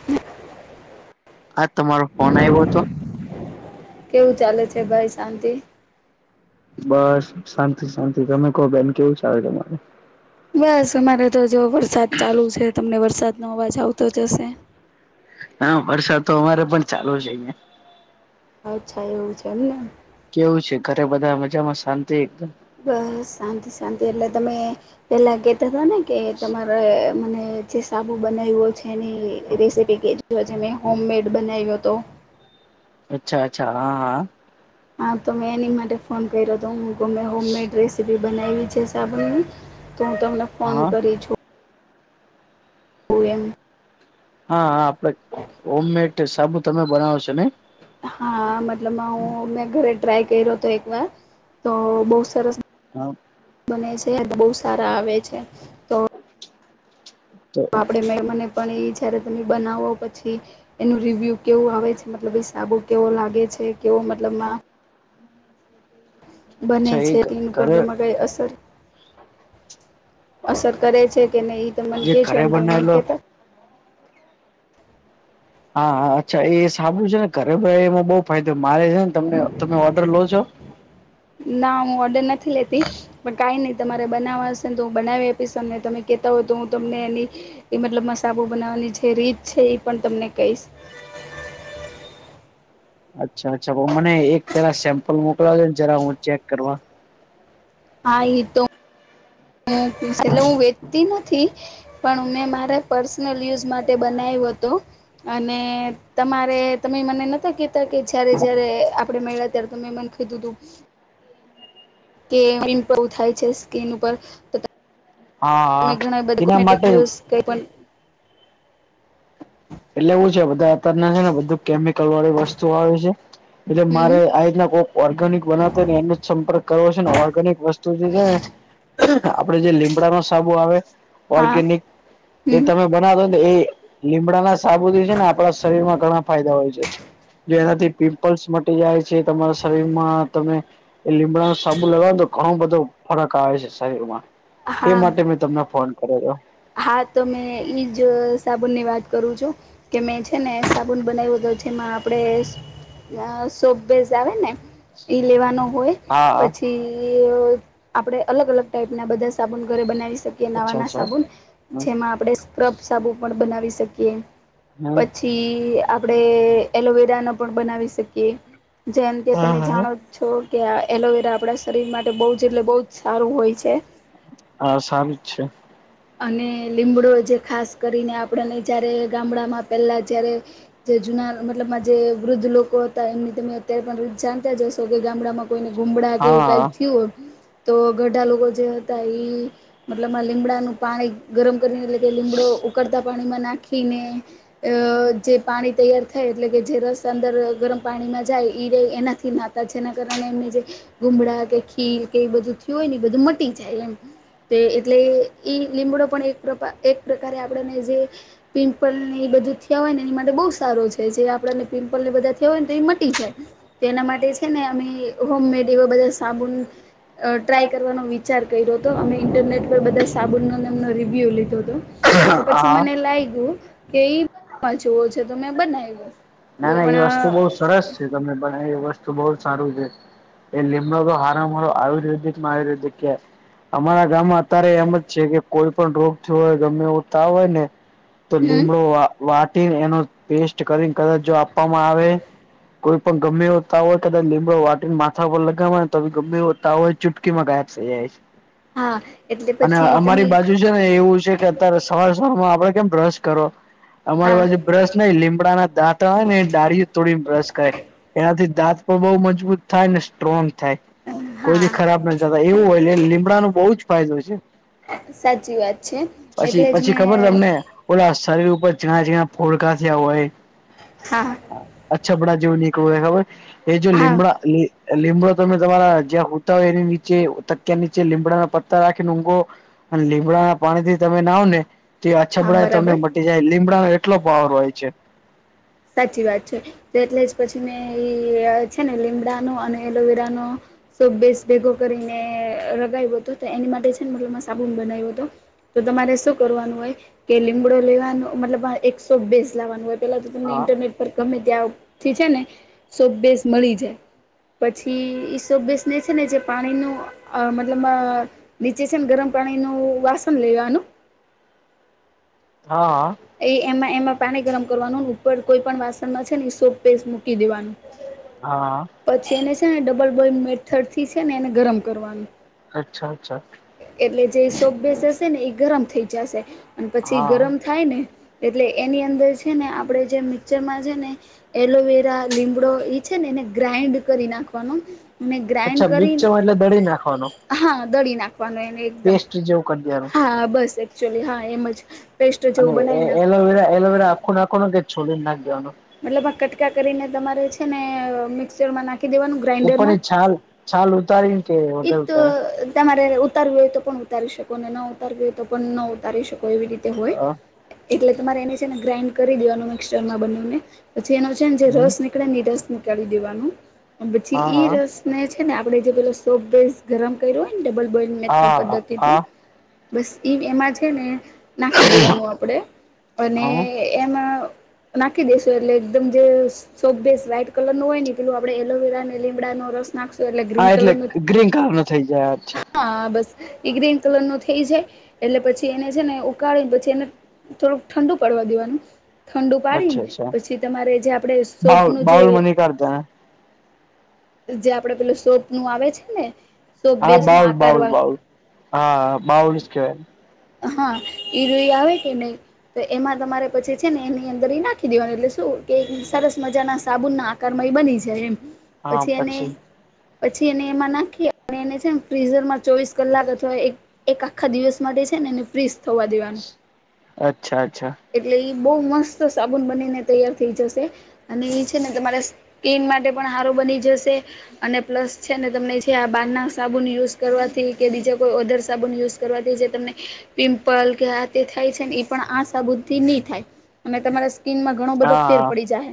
હ [inaudible] હા તમારો ફોન આવ્યો હતો. કેવું ચાલે છે ભાઈ શાંતિ? બસ શાંતિ શાંતિ તમે કહો બેન કેવું ચાલે તમારે? બસ અમારે તો જો વરસાદ ચાલુ છે તમને વરસાદ નો અવાજ આવતો જ હશે. હા વરસાદ તો અમારે પણ ચાલુ છે અહીંયા અચ્છા એવું છે એમ ને કેવું છે ઘરે બધા મજામાં શાંતિ એકદમ? બસ શાંતિ શાંતિ એટલે તમે પેલા કહેતા હતા ને કે તમારે મને જે સાબુ બનાવ્યો છે એની રેસીપી કહેધી હોય છે મેં હોમમેડ બનાવ્યો તો અચ્છા અચ્છા હા હા! ! હા તો મેં એની માટે ફોન કર્યો હતો હું મે હોમમેડ રેસ બનાવી છે સાબુની તો હું તમને હા ફોન હા કરી છું. ઓ એમ હા હા આપડે હોમમેટ સાબુ તમે બનાવ છો નય? હા મતલબ હું મેં ઘરે ટ્રાય કર્યો હતો એક વાર તો બહુ સરસ હા [unintelligible] બને છે બહુ સારા આવે છે. તો [unintelligible] આપડે મે મને પણ એ જયારે તમે બનાવો પછી એનું રિવ્યુ કેવું આવે છે મતલબ હિસાબો કેવો લાગે છે કેવો મતલબ બને અચ્છા એ છે તેનું ઘરે પગલામાં કઈ અસર અસર કરે છે કે નહી તો મન જે કે છે ઘરે એમ તો મન બનાવેલો કેતા હા હા અચ્છા એ સાબું છે ને ઘરેઈ બનાવ્યો એમાં બહુ ફાયદો મારે છે ને તને તમે ઓર્ડર લો છો? ના હું ઓર્ડર નથી લેતી. કઈ નહી તમારે બનાવવા હશેને તો હું બનાવી આપીશ તમને તમે કેતા હોય તો હું તમને એની એ મતલબ સાબુ બનાવવાની જે રીત છે એ પણ તમને કહીશ. અચ્છા અચ્છા મને એક ફેરા સેમ્પલ મોકલાવાજો ને જરા ચેક કરવા. હા એ તો હું વેચતી નથી. પણ મેં મારા પર્સનલ યુઝ માટે બનાવ્યું હતું. અને તમારે તમે મને નત કે કે જયારે જયારે આપડણે મળ્યા ત્યારે તો મે મને ખીધું તું. કે ઇમ્પ્રુવ થાય છે સ્કીન ઉપર હા તમે હા ઘણા બધ એના માટે ડકોમેટિક્યુઝ કઈ પણ એટલે એવું છે બધા અતાર ના છે ને બધું કેમિકલ વાળી વસ્તુ આવે છે. એટલે મારે હમ આ રીતના કોઈક ઓર્ગેનિક બનાવતો હો ને એનો જ સંપર્ક કરવો છે ને ઓર્ગેનિક વસ્તુ જે છે ને આપડે જે લીમડા નો સાબુ આવે ઓર્ગેનિક હમ્મ. બનાતો ને એ લીમડા ના સાબુ થી છે ને આપણા શરીર માં ઘણા ફાયદા હોય છે. જો એનાથી પિમ્પલ્સ મટી જાય છે, તમારા શરીરમાં તમે લીમડા સાબુ લગાવવાનું તો ઘણો બધો ફરક આવે છે શરીરમાં. એ હા માટે મેં તમને ફોન કર્યો હતો. હા તો મે ઈજ સાબુન ની વાત કરું છું. કે મેં છે ને સાબુન બનાવ્યું તો જેમાં આપડે અ સો બેેઝ આવે ને ઈ લેવાનો હોય. હા. થી આપણેે અલગ અલગ ટાઈપના બધા સાબુન ઘરે બનાવી શકીએ નવા અચ્છા ના અચ્છા સાબુન. હમ જેમાં આપડણે સ્ક્રબ સાબુ પણ બનાવી શકીએ. હમ પછી આપણે એલોવેરા નો પણ બનાવી શકીએ. જેમકે હા તમે હા જાણો છો કે આ એલોવેરા આપણા શરીર માટે બહુ જ એટલે બહુ જ સારું હોય છે. આ સારું જ છે. અને લીમડો જે ખાસ કરીને આપણને જારે ગામડામાં પહેલા જયારે જે જુના મતલબમાં જે વૃદ્ધ લોકો હતા એમની તમે અત્યારે પણ જાણતા જ હશો કે ગામડામાં કોઈને ગુમડા કે એવું કઈક હા થયું હો તો ગઢા લોકો જે હતા મતલબમાં લીમડાનું પાણી ગરમ કરીને એટલે કે લીમડો ઉકળતા પાણીમાં નાખીને અ જે પાણી તૈયાર થાય એટલે કે જે રસ અંદર ગરમ પાણીમાં જાય એ એનાથી ના જેના કારણે એમને જે ગુમડા કે ખીર કે એ બધું થય હોય ને એ બધું મટી જાય એમ એટલે લીમડો પણ એક એક પ્રકારે આપણેને જે પિમ્પલ ને એ બધું થયા હોય ન એની માટે બહુ સારો છે જે આપને પિમ્પલ ને બધા થયા હોય નતો એ મટી જાય. તો એના માટે છે ને અમે હોમમેડ એવા બધા સાબુન અ ટ્રાય કરવાનો વિચાર કર્યો હતો. અમે ઇન્ટરનેટ પર બધા સાબુ નો રિવ્યૂ લીધો તો પછી હા મને લાગ્યું કે માં જુઓ છે તો મેં બનાયવો. ના ના એ વસ્તુ બહુ સરસ છે તમે પણ એ વસ્તુ બહ સારું છે. એ લીમડો તો હારમ આયુર્વેદિક આયુર્વેદિક છે અમારા ગામમાં અત્યારે એમ જ છે કે કોઈ પણ રોગ થયો હો ગમે એવ તાવ હોય ને તો હમ લીમડો વાટીને એનો પેસ્ટ કરીને કદચ જો આપવામાં આવે કોઈ પણ ગમે હોતા હોય કદાચ લીંબડો વાટીને માથા પર લગાવવા તો ગમે વ તાવ હોય ચૂટકીમાં ગાયબ થઈ જાય છે, હા એટલે અને પછી તમે અમારી બાજુ જે એવું છે કે અત્યારે સવાર સવાર માં આપડે કેમ બ્રશ કરો અમારી હા પાજુ બ્રશ નહી લીમડાના દાંતા હોય ને ડાળીયુ તોડી બ્રશ કર એનાથી દાંત પણ બઉ મજબૂત થાય ને સ્ટ્રોંગ થાય. કોઈ જે હા ખરાબ ના થતા એવું હોય એટલે લીમડા ન બહુ જ ફાયદો છે. સાચી વાત છે. એટલે જ મેં અને ઓલા શરીર ઉપર જીણા જણા ફોડકા થયા હોય હા. હા અછબડા જેવું નીકવું હો ખબર? એ જો હા લીમડા લીમડો તમે તમારા જ્યાં હુતા હોય એની જે તકિયા નીચે લીમડાના પત્તા રાખીને ઊંઘો અને લીમડાના પાણી થી તમે નાહો ને તે આ હા છબડા તમને બરાબર મટી જાય લીમડા નો એટલો પાવર હોય છે. સાચી વાત છે તો એટલે જ પછી મેં એ છે ને લીમડાનો અને એલોવેરાનો સૌ બેસ ભેગો કરીને લગાવ્યો હતો તો એની માટે છે ને મતલમાં સાબુન બનાવ્યો હતો. તો તમારે શું કરવાનું હોય કે લીમડો લેવાનું મતલબ એકસો બેસ લાવવાનું હોય પેલા તો તમને હા. ઇન્ટરનેટ પર ગમે ત્યાંથી છે ને સો બેસ મળી જાય. પછી એ સો બેસને છે ને જે પાણીનું આ મતલબમાં નીચે છે ને ગરમ પાણી નું વાસન લેવાનું હા. એ એમાં એમાં પાણી ગરમ કરવાનું ઉપર કોઈ પણ વાસણમાં છે ને સોપ પેસ્ટ મૂકી દેવાનું હા. પછી એને છે ને ડબલ બોઇ મેથડ થી છે ને એને ગરમ કરવાનું. અચ્છા અચ્છા. એટલે જે સોપ બેસ હશે ને એ ગરમ થઈ જશે અને પછી હા. ગરમ થાય ને એટલે એની અંદર છે ને આપડે જે મિક્ચરમાં જે ને એલોવેરા લીમડો એ છે ને એને ગ્રાઈન્ડ કરી નાખવાનો ને અચ્છા ગ્રાઈન્ડ કરી મિક્સરમાં એટલે દળી નાખવાનો હા દળી નાખવાનું એને એકદમ. પેસ્ટ જેવું કરી દેવાનું. હા બસ એકક્ચુલી હા એમ જ પેસ્ટ જેવું બનાવી નાખવાનું. કોના કોના ગેપ છોડી ને નાખી દેવાનું. મતલબ આ કટકા કરીને તમારે છે ને મિક્સચર માં નાખી દેવાનું ગ્રાઇન્ડરમાં ઉપરની છાલ છાલ ઉતારીને કે ઈ વગર તો ઉતારી તમારે ઉ ઉતારવી હોય તો પણ ઉતારી શકો ને ના ઉતારવી હોય તો પણ ના ઉતારી શકો એવી રીતે હોય. હ એટલે તમારે એની છે ને ગ્રાઇન્ડ કરી દેવાનું મિક્સરમાં બંનેને પછી એનો છે ને જે હમ રસ નીક પહેલા ની રસ ની કાઢી દેવાનું પછી હા ઈ હા. રસ ને છે ને આપડે જે પેલો સો પેસ્ટ ગરમ કર્યું હોય ને ડબલ બોઇલ મેથડ હા હા પદ્ધતિ થી હા બસ એમાં છે ને નાખી દેવાનું આપણેે અને હા એમાં નાખી દેશ તો એટલે એકદમ જે શોપ પેસ્ટ વ્હાઈટ કલર નો હોય ને પેલું આપણે એલોવેરા અને લીમડાનો રસ નાખશું એટલે ગ્રીન કલર નું ગ્રીન કલર નો થઇ જાય અચ્છા હા બસ ઈ ગ્રીન કલર નું થઈ જાય એટલે પછી એને છે ને ઉકાળીને પછી એને થોડુંક ઠંડુ પડવા દેવાનું ઠંડુ પાડીને અચ્છા અચ્છા થી તમારે જે આપણે શોપ બાઉલ નું જે બાઉલ મની કરતા ને જે આપડે પેલું શોપ નું આવે છે ને સોપ હા બેસ નો બાઉલ આકાર બાઉલ વાળ બાઉલ હા બાઉલ જ કહેવાય. હા [unintelligible] આવે કે નહી તો એમાં તમારે પછી છે ને એની અંદર એ નાખી દેવાનું એટલે શું કે સરસ મજા ના સાબુન ના કરમય બની જાય એમ. પછી એને પછી એને એમાં નાખી અને એને છે ફ્રીઝર માં ચોવીસ કલાક અથવા એક એક આખા દિવસ માટે છે ને એને ફ્રિજ થવા દેવાનું. અચ્છા અચ્છા એટલે ઈ બહુ મસ્ત સાબુન બનીને તૈયાર થઈ જશે. અને એ છે ને તમારા સ્કીિન માટે પણ હારુ બની જશે અને પ્લસ છે ને તમને છે આ બાર ના સાબુન યુઝ કરવાથી કે બીજા કોઈ ઓધર સાબુન યુઝ કરવાથી જે તમને પિમ્પલ કે આ તે થાય છે ને એ પણ આ સાબુથી ની થાય અને તમારા સ્કીિનમાં ઘણો બધો ફેર હા પડી જાહે.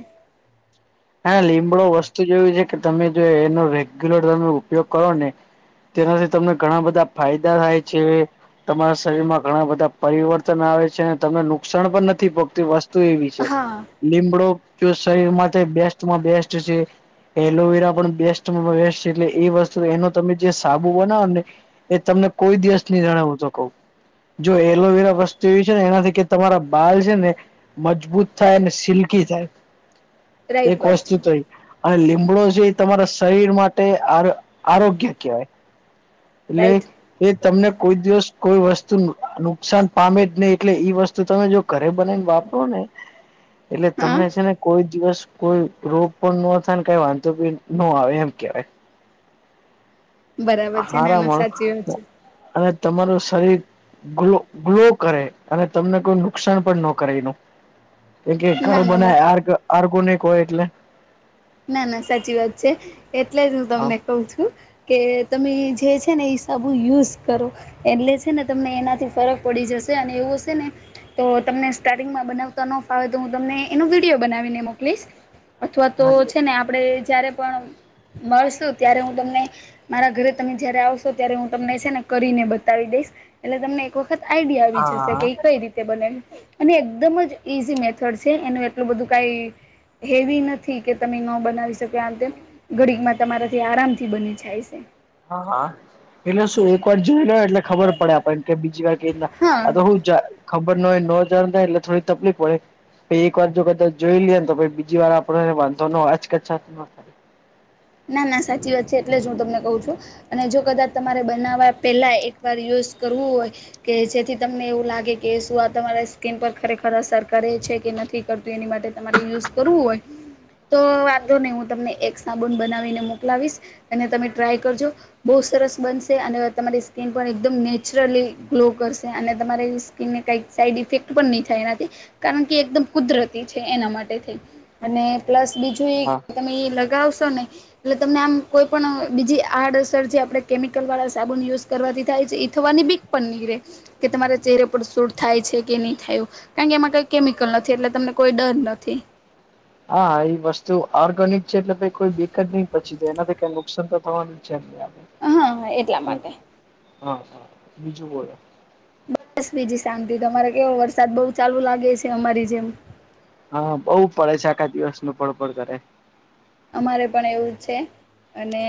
હા લીમડો વસ્તુ જેવી છે કે તમે જો એનો રેગ્યુલર તમે ઉપયોગ કરો ને તેનાથી તમને ઘણા બધા ફાયદા થાય છે. તમારા શરીર માં ઘણા બધા પરિવર્તન આવે છે તમે નુકસાન પણ નથી પોગતી વસ્ વસ્તુ એવી છે હા લીમડો જો શરીર માટે બેસ્ટમાં બેસ્ટ છે. એલોવેરા પણ બેસ્ટમાં બેસ્ટ એટલે એ વસ્તુ એનો તમે જે સાબુ બનાવો ને એ તમને કોઈ દિવસ ન જણાવવ તો કહું જો એલોવેરા વસ્તુ એવી છે ને એનાથી કે તમારા બાલ છેને. મજબૂત થાય ને સિલ્કી થાય રાઈટ એક વાત છે. વસ્તુ તો એ અને લીમડો જે તમારા શરીર માટે આ આરોગ્ય કહેવાય એટલે રાઈટ એ તમને કોઈ દિવસ કોઈ વસ્તુ નુકસાન પામે જ નહીિ એટલે ઈ વસ્તુ તમે જો ઘરે બનાને વાપરો ને એટલે હા તમને છેન, કોઈ દિવસ કોઈ રોગ પણ ન થાય ને કઈ વાંધો બી ન આવે એમ કેવાય બરાબર છે ના હરામ, ના સાચી વાત અને તમારું શરીર ગ્લો ગ્લો કરે અને તમને કોઈ નુકસાન પણ ન કરે એનુ કેમ કે છે ઘર ના ના બસ બનાય આ કો ન કોય એટલે ના ના સાચી વાત છે. એટલે જ હું હા તમને કહું છુ કે તમે જે છેને. એ હિસાબુ યુઝ કરો એટલે છે ને તમને એનાથી ફરક પડી જશે અને એવું છેને. તો તમને સ્ટાર્ટિંગમાં બનાવતા ન ફાવે તો હું તમને એનો વિડીિયો બનાવીને મોકલીશ અથવા તો છેને. આપણેે જયારે પણ મળશું ત્યારે હું તમને મારા ઘરે તમે જયારે આવશો ત્યારે હું તમને છેને, કરીને બતાવી દઈશ એટલે તમને એક વખત આઈડિયા આવી જશે હા કે કઈ રીતે બનેલ અને એકદમ જ ઈઝી મેથડ છે એનું એટલું બધું કાંઈ હેવી નથી. થી કે તમે ન બનાવી શકો આ ઘડીમાં. તમારાથી આરામથી બને જાય છે. હાા, એટલે શું એક વાર જોઈ લો એટલે ખબર પડે આપણ કે બીજી વાર કે હા હુ ખબર ન હોય ન જ થાય એટલે થોડી તકલીફ પડે એક વાર જો કદાચ જોઈ લઈએ તો બીજી વાર આપડોને વાંધો ન આજ કચ ના ના સાચી વાત છે, એટલે જ હું તમને કહું છુ. અને જો કદાચ તમારે બનાવવા પેલા એક વાર યુઝ કરવું હોય. કે જેથી તમને એવું લાગે કે શું આ તમારા સ્કીિન પર ખરેખર અસર કરે છે, કે નથી એની માટેરે યુવું હોય, તો વાંધો નહી હું તમને એક બન બનાવીને મોકલાવીશ અને તમે ટ્રાય કરજો બહુ સરસ બનશે અને તમારી સ્કીિન પણ એકદમ નેચરલી ગ્લો કરશે અને તમારી ને કઈક સાઈડ ઇફેક્ટ પણ નહી થાય એનાથી કારણ કે એકદમ કુદરતી છે, એના માટે થઈ અને પ્લસ બીજું એ હા તમે લગાવશો ને એટલે તમને આમ કોઈ પણ બીજી આડઅસર જે આપણે કેમિકલ વાળા સાબુન યુઝ કરવાથી થાય છે. થવાની બીક પણ નીક રહેે કે તમારા ચહેરા પર સુૂર થાય છે, કે નહીં થાયું કારણ કે એમાં કઈ કેમિકલ નથી એટલે તમને કોઈ ડર નથી. હા એ વસ્તુ ઓર્ગેનિક છે. એટલે કોઈ બેકદ નહી પછી તો એનાથી તો કરવાની છે, એમે હા હા એટલા માટે હા હા બીજું બોલો બસ બીજી શાંતિ તમારે કેવો વરસાદ બહુ ચાલુ લાગે છે. અમારી જેમ હા બહુ પડે છે, આખા દિવસ નું પણ પણ કરે અમારે પણ એવું છે. અને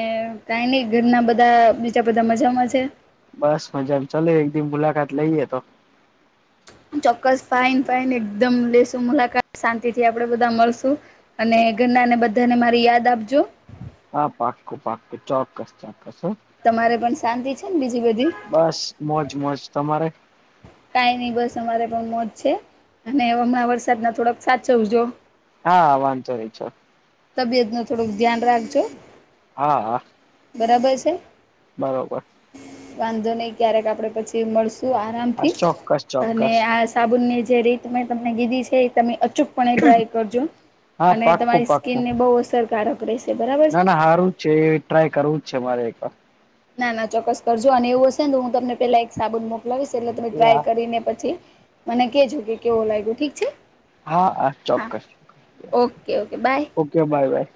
કાઈ નહ ઘરના બધા બીજા બધા મજામાં છે. બસ મજામાં ચલો એક દમ મુલાકાત લઈએ તો ચોક્કસ ફાઈન ફાઈન એકદમ લેશું મુલાકાત શાંતિ થી આપડે બધા મળશું અને ગન્ના ને બધાને મારી યાદ આપજો હા, પાક્કું પાક્કું ચોક્કસ ચોક્કસ તમારે પણ શાંતિ છેને. બીજી બધી બસ મોજ મોજ તમારે કાઈ નહી બસ અમારે પણ મોજ છે અને હણા વરસાદ ના થોડાક સાચવજો હા વાંધો રહી છો. તબિયત નું થોડુંક ધ્યાન રાખજો હા. બરાબર છે. બરોબર. વાંધો નહી ક્યારેક આપડે પછી મળશું હા આરામથી ચોક્કસ અને ચોક્કસ આજ સાબુનની જે રીત મેં તમને કીધી છે એ તમે અચૂક પણ એ ટ્રાય કરજો હા અને પાક્કું તમારી પાક્કું સ્કીિનને બહુ અસરકારક રહેશે બરાબર. ના છે ના સારું જ છે એ ટ્રાય કરવું જ છે મારે એક વાર ના ના ચોક્કસ કરજો અને એવું હશે ને હું તમને પેલા એક સાબુન મોક લ એટલે તમે ટ્રાય કરીને પછી મને કેજો કે કેવો લાગ્યો ઠીક છે હા હા ચોક્કસક્સ okay okay bye okay bye by